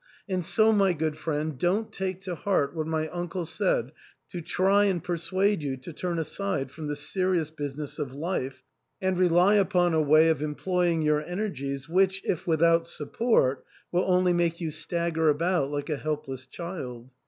And ro, my good friend, don't take to heart what my uncle said to try and persuade you to turn aside from the serious business of life, and rely upon a way of employing your energies which, if without support, will only make you stagger about like a helpless child."